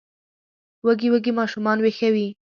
وږي وږي ماشومان ویښوي